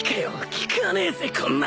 効かねえぜこんな